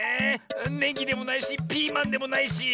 ネギでもないしピーマンでもないし。